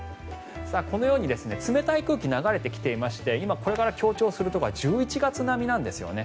このように冷たい空気が流れてきていましてこれから強調するところは１１月並みなんですね。